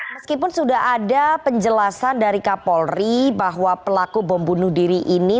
meskipun sudah ada penjelasan dari kapolri bahwa pelaku bom bunuh diri ini